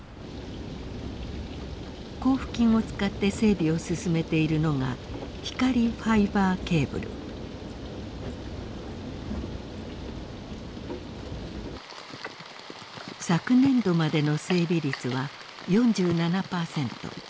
交付金を使って整備を進めているのが昨年度までの整備率は４７％。